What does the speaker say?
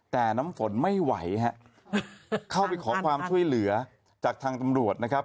แต่น้ำฝนไม่ไหวฮะเข้าไปขอความช่วยเหลือจากทางตำรวจนะครับ